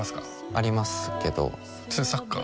ありますけどそれサッカー？